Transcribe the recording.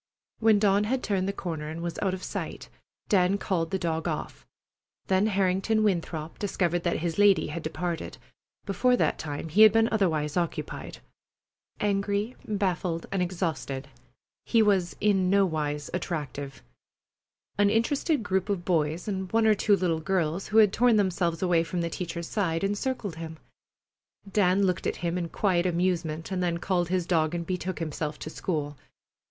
When Dawn had turned the corner and was out of sight, Dan called the dog off. Then Harrington Winthrop discovered that his lady had departed. Before that time he had been otherwise occupied. Angry, baffled, and exhausted, he was in nowise attractive. An interested group of boys and one or two little girls who had torn themselves away from the teacher's side encircled him. Dan looked at him in quiet amusement, and then called his dog and betook himself to school.